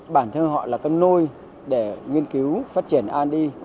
bản thân họ là cân nôi để nghiên cứu phát triển an đi